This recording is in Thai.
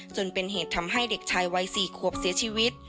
จนเป็นเหตุทำให้เด็กชายวัย๔ขวบเสียชีวิต